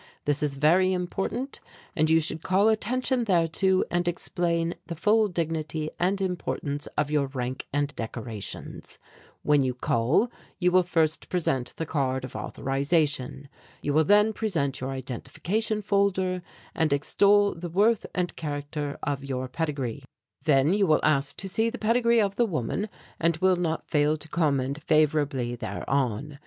This is very important and you should call attention thereto and explain the full dignity and importance of your rank and decorations. "When you call you will first present the card of authorization. You will then present your identification folder and extol the worth and character of your pedigree. "Then you will ask to see the pedigree of the woman, and will not fail to comment favourably thereon.